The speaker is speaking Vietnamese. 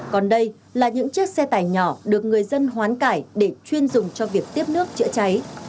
còn đây là những chiếc xe tải nhỏ được người dân hoán cải để chuyên dùng cho việc tiếp nước chữa cháy